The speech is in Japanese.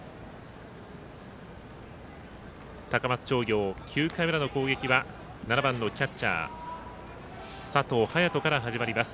高松商業、９回の裏の攻撃は７番のキャッチャー佐藤颯人から始まります。